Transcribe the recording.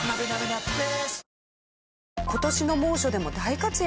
今年の猛暑でも大活躍。